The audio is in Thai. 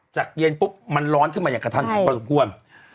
จากเย็นปุ๊บมันร้อนขึ้นมาอย่างกระทั่งประสบควร